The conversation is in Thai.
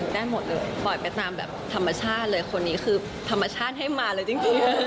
ได้หมดเลยปล่อยไปตามแบบธรรมชาติเลยคนนี้คือธรรมชาติให้มาเลยจริง